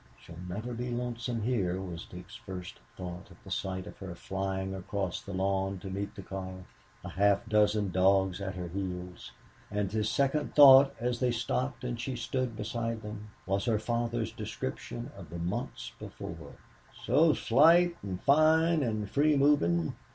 "She'll never be lonesome here," was Dick's first thought at the sight of her flying across the lawn to meet the car, a half dozen dogs at her heels. And his second thought, as they stopped and she stood beside them, was her father's description of the months before "so slight and fine and free moving."